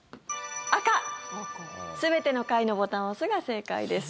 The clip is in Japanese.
赤、全ての階のボタンを押すが正解です。